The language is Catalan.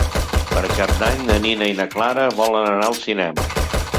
Per Cap d'Any na Nina i na Clara volen anar al cinema.